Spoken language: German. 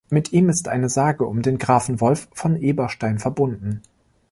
Mit ihm ist eine Sage um den Grafen Wolf von Eberstein verbunden.